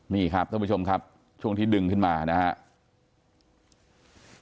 นี่ครับท่านผู้ชมครับช่วงที่ดึงขึ้นมานะครับ